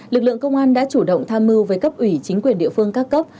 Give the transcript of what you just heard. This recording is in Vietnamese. lực lượng công an đã chủ động tham mưu với cấp ủy chính quyền địa phương các cấp